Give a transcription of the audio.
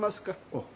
おう。